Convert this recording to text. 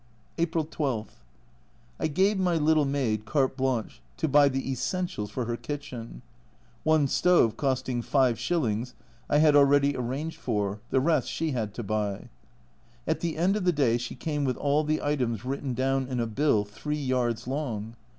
April 12. I gave my little maid carte blanclie to buy the essentials for her kitchen. One stove, costing 55., I had already arranged for, the rest she had to buy. At the end of the day she came with all the items written down in a bill 3 yards long.